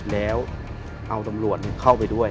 แล้วเอาตำรวจเข้าไปด้วย